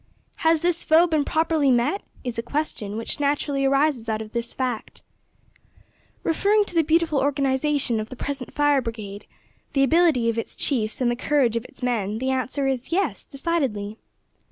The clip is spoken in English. Has this foe been properly met? is a question which naturally arises out of this fact. Referring to the beautiful organisation of the present Fire Brigade, the ability of its chiefs and the courage of its men, the answer is, Yes, decidedly.